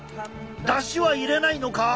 だしは入れないのか？